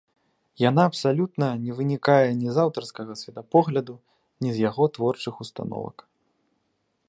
Яна абсалютна не вынікае ні з аўтарскага светапогляду, ні з яго творчых установак.